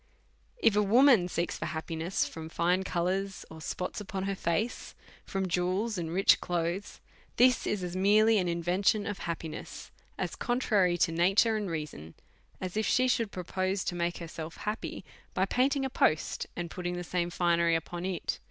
If a woman seeks for happiness from fine colours or k3 134 A SfiRIOUS CALL TO A Spots upon her face^ from jewels and rich clothes, this is as merely an invention of happiness, as contrary to nature and reason^ as if she should propose to make herself happy by painting a post, and putting the same tinery upon it.